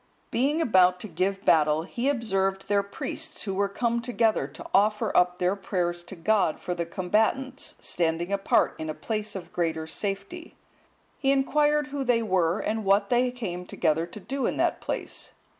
Being about to give battle, he observed their priests, who were come together to offer up their prayers to God for the combatants, standing apart in a place of greater safety; he inquired who they were, and what they came together to do in that place.